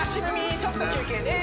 ちょっと休憩です